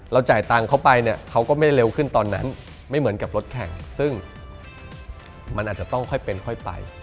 จ่ายตังค์เขาไปเนี่ยเขาก็ไม่เร็วขึ้นตอนนั้นไม่เหมือนกับรถแข่งซึ่งมันอาจจะต้องค่อยเป็นค่อยไป